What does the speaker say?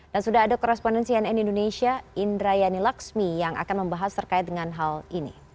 dan sudah ada korespondensi nn indonesia indrayani laksmi yang akan membahas terkait dengan hal ini